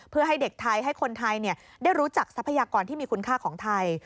เพื่อให้เด็กไทยให้คนไทยได้รู้จักทรัพยากรที่มีคุณค่าของไทย